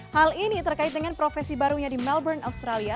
hal ini terkait dengan profesi barunya di melbourne australia